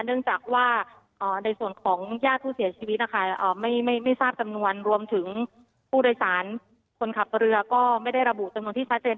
เนื่องจากว่าในส่วนของญาติผู้เสียชีวิตนะคะไม่ทราบจำนวนรวมถึงผู้โดยสารคนขับเรือก็ไม่ได้ระบุจำนวนที่ชัดเจน